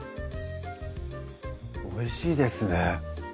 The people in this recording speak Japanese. おいしいですね